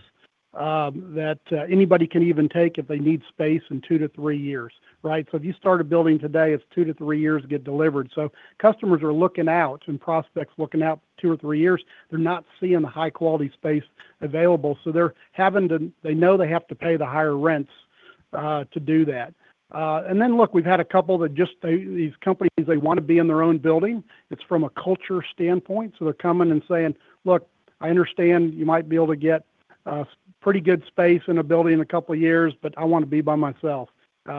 that anybody can even take if they need space in 2-3 years. Right? If you start a building today, it's two to three years to get delivered. Customers are looking out and prospects looking out two or three years. They're not seeing the high quality space available. They know they have to pay the higher rents to do that. Look, we've had a couple that just these companies, they want to be in their own building. It's from a culture standpoint. They're coming and saying, "Look, I understand you might be able to get a pretty good space in a building in a couple of years, but I want to be by myself,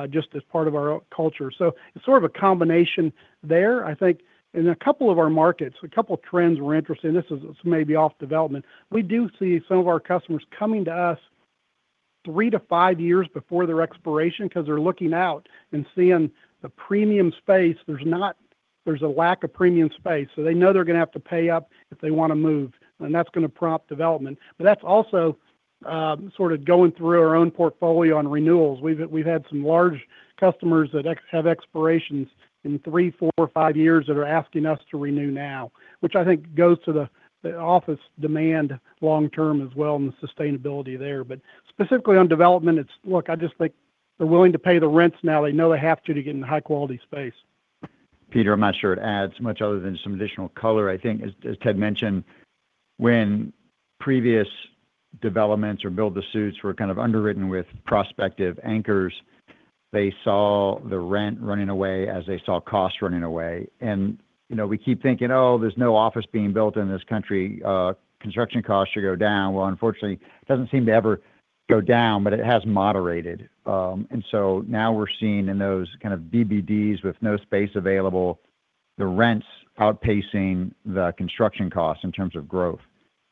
just as part of our culture." It's sort of a combination there. I think in a couple of our markets, a couple of trends were interesting. This is maybe off development. We do see some of our customers coming to us three to five years before their expiration because they're looking out and seeing the premium space. There's a lack of premium space, they know they're going to have to pay up if they want to move, that's going to prompt development. That's also sort of going through our own portfolio on renewals. We've had some large customers that have expirations in three, four, five years that are asking us to renew now, which I think goes to the office demand long term as well and the sustainability there. Specifically on development, look, I just think they're willing to pay the rents now. They know they have to get into high quality space. Peter, I'm not sure it adds much other than some additional color. I think as Ted mentioned, when previous developments or build to suits were kind of underwritten with prospective anchors, they saw the rent running away as they saw costs running away. We keep thinking, "Oh, there's no office being built in this country. Construction costs should go down." Unfortunately, it doesn't seem to ever go down, but it has moderated. Now we're seeing in those kind of BBDs with no space available, the rents outpacing the construction costs in terms of growth.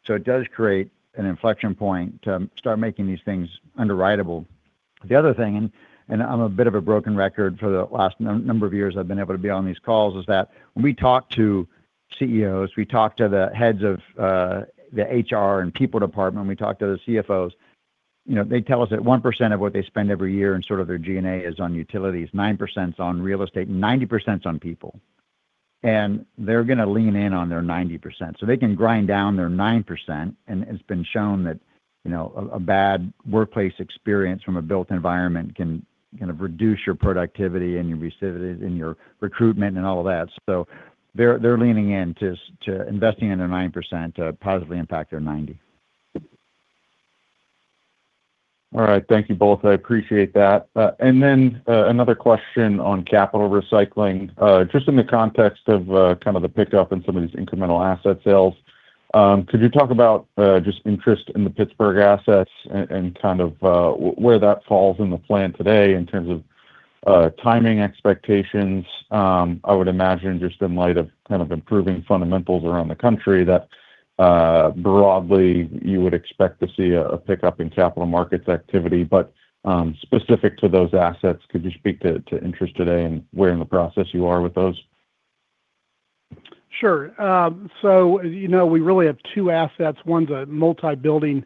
It does create an inflection point to start making these things underwritable. The other thing, I'm a bit of a broken record for the last number of years I've been able to be on these calls, is that when we talk to CEOs, we talk to the heads of the HR and people department, we talk to the CFOs, they tell us that 1% of what they spend every year in sort of their G&A is on utilities, 9% is on real estate, 90% is on people. They're going to lean in on their 90%. They can grind down their 9%, and it's been shown that a bad workplace experience from a built environment can kind of reduce your productivity and your recruitment and all of that. They're leaning in to investing in their 9% to positively impact their 90%. All right. Thank you both. I appreciate that. Then, another question on capital recycling. Just in the context of kind of the pickup in some of these incremental asset sales, could you talk about just interest in the Pittsburgh assets and kind of where that falls in the plan today in terms of timing expectations? I would imagine just in light of kind of improving fundamentals around the country that broadly you would expect to see a pickup in capital markets activity. Specific to those assets, could you speak to interest today and where in the process you are with those? Sure. We really have two assets. One's a multi-building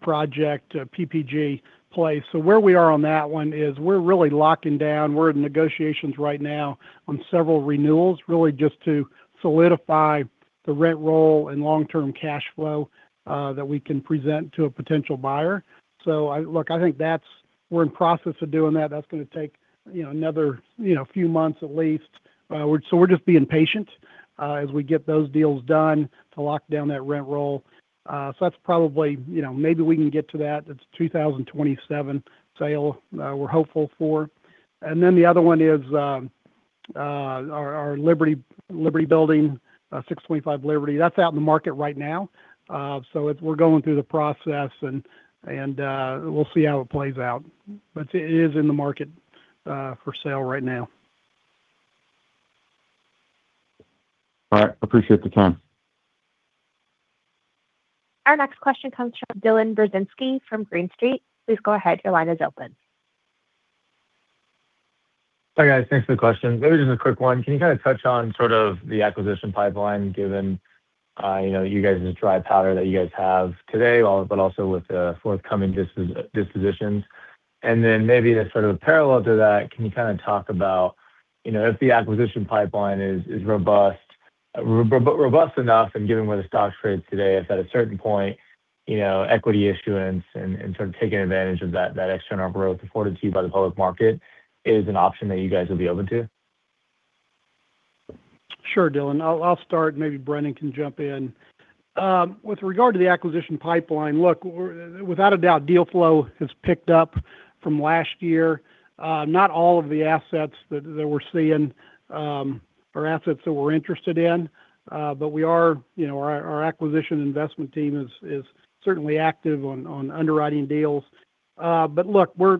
project, PPG Place. Where we are on that one is we're really locking down. We're in negotiations right now on several renewals, really just to solidify the rent roll and long-term cash flow that we can present to a potential buyer. Look, I think that's. We're in process of doing that. That's going to take another few months at least. We're just being patient as we get those deals done to lock down that rent roll. That's probably. Maybe we can get to that. That's 2027 sale we're hopeful for. Then the other one is our Liberty building, 625 Liberty. That's out in the market right now. We're going through the process, and we'll see how it plays out. It is in the market for sale right now. All right. Appreciate the time. Our next question comes from Dylan Burzinski from Green Street. Please go ahead. Your line is open. Hi, guys. Thanks for the question. Maybe just a quick one. Can you kind of touch on sort of the acquisition pipeline given the dry powder that you guys have today, but also with the forthcoming dispositions? Then maybe as sort of a parallel to that, can you kind of talk about, if the acquisition pipeline is robust enough and given where the stock trades today, if at a certain point, equity issuance and sort of taking advantage of that extra number growth afforded to you by the public market is an option that you guys would be open to? Sure, Dylan. I'll start, maybe Brendan can jump in. With regard to the acquisition pipeline, look, without a doubt, deal flow has picked up from last year. Not all of the assets that we're seeing are assets that we're interested in. Our acquisition investment team is certainly active on underwriting deals. Look, we're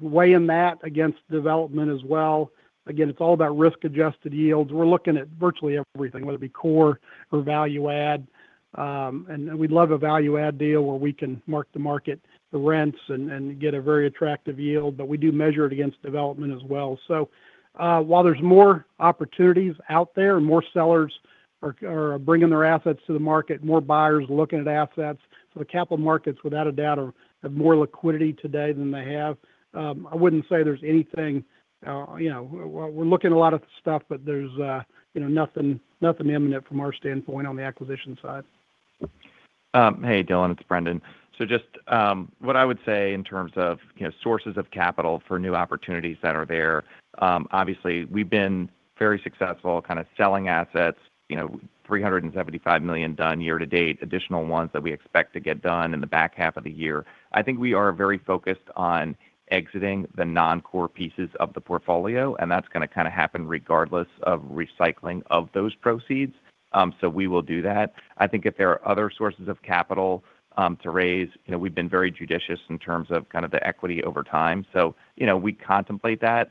weighing that against development as well. Again, it's all about risk-adjusted yields. We're looking at virtually everything, whether it be core or value add. We'd love a value add deal where we can mark the market, the rents, and get a very attractive yield. But we do measure it against development as well. While there's more opportunities out there and more sellers are bringing their assets to the market, more buyers are looking at assets. The capital markets, without a doubt, have more liquidity today than they have. I wouldn't say there's anything. We're looking at a lot of stuff. There's nothing imminent from our standpoint on the acquisition side. Hey, Dylan, it's Brendan. Just what I would say in terms of sources of capital for new opportunities that are there. Obviously, we've been very successful kind of selling assets, $375 million done year-to-date, additional ones that we expect to get done in the back half of the year. I think we are very focused on exiting the non-core pieces of the portfolio. That's going to kind of happen regardless of recycling of those proceeds. We will do that. I think if there are other sources of capital to raise, we've been very judicious in terms of kind of the equity over time. We contemplate that.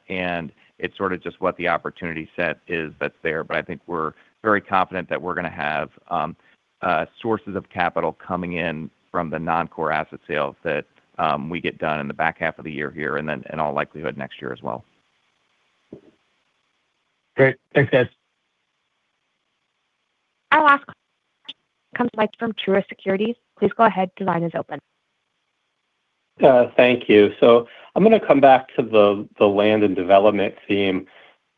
It's sort of just what the opportunity set is that's there. I think we're very confident that we're going to have sources of capital coming in from the non-core asset sales that we get done in the back half of the year here. In all likelihood next year as well. Great. Thanks, guys. Our last comes from Mike from Truist Securities. Please go ahead. Your line is open. Thank you. I'm going to come back to the land and development theme.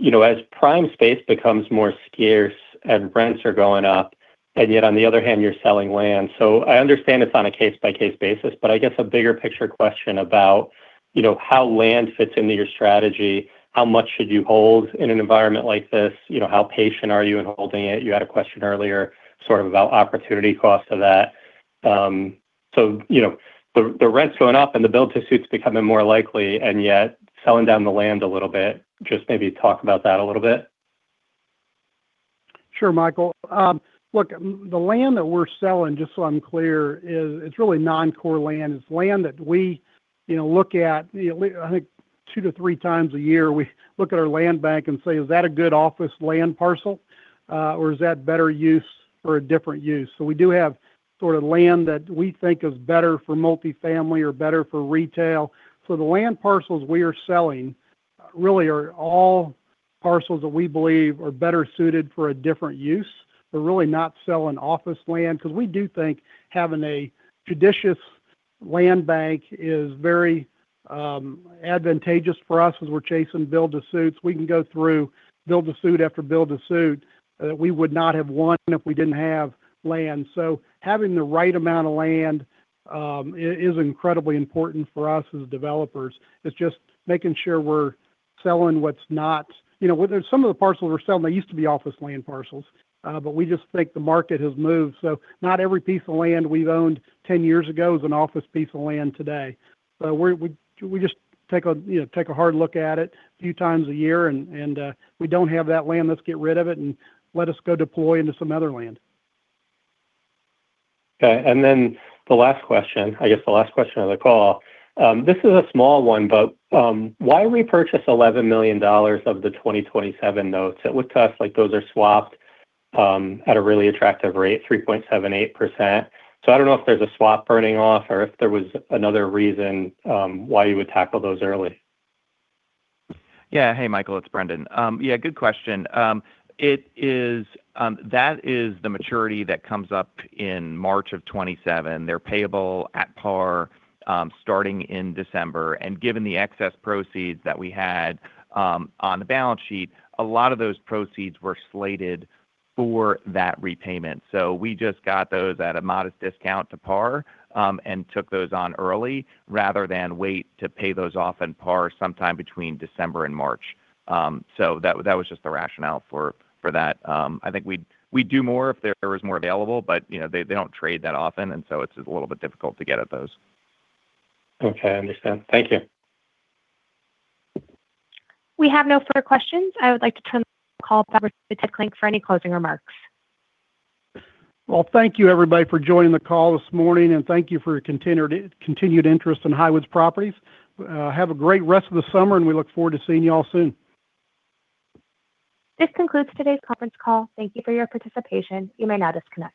As prime space becomes more scarce and rents are going up, and yet on the other hand, you're selling land. I understand it's on a case-by-case basis, but I guess a bigger picture question about how land fits into your strategy, how much should you hold in an environment like this? How patient are you in holding it? You had a question earlier sort of about opportunity cost of that. The rent's going up and the build to suit's becoming more likely, and yet selling down the land a little bit. Just maybe talk about that a little bit. Sure, Michael. Look, the land that we're selling, just so I'm clear, it's really non-core land. It's land that we look at, I think two to three times a year. We look at our land bank and say, "Is that a good office land parcel? Or is that better use for a different use?" We do have sort of land that we think is better for multi-family or better for retail. The land parcels we are selling really are all parcels that we believe are better suited for a different use. We're really not selling office land because we do think having a judicious land bank is very advantageous for us as we're chasing build to suits. We can go through build to suit after build to suit that we would not have won if we didn't have land. Having the right amount of land is incredibly important for us as developers. It's just making sure we're selling what's not. Some of the parcels we're selling, they used to be office land parcels. We just think the market has moved. Not every piece of land we've owned 10 years ago is an office piece of land today. We just take a hard look at it a few times a year, and we don't have that land. Let's get rid of it and let us go deploy into some other land. Okay. The last question, I guess the last question of the call. This is a small one, why repurchase $11 million of the 2027 notes? It would cost like those are swapped at a really attractive rate, 3.78%. I don't know if there's a swap burning off or if there was another reason why you would tackle those early. Yeah. Hey, Michael, it's Brendan. Yeah, good question. That is the maturity that comes up in March of 2027. They're payable at par starting in December. Given the excess proceeds that we had on the balance sheet, a lot of those proceeds were slated for that repayment. We just got those at a modest discount to par and took those on early rather than wait to pay those off in par sometime between December and March. That was just the rationale for that. I think we'd do more if there was more available, they don't trade that often, it's a little bit difficult to get at those. Okay, I understand. Thank you. We have no further questions. I would like to turn the call back to Ted Klinck for any closing remarks. Well, thank you everybody for joining the call this morning, and thank you for your continued interest in Highwoods Properties. Have a great rest of the summer, and we look forward to seeing you all soon. This concludes today's conference call. Thank you for your participation. You may now disconnect.